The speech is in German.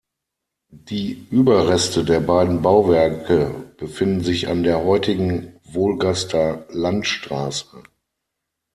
Die Überreste der beiden Bauwerke befinden sich an der heutigen Wolgaster Landstraße.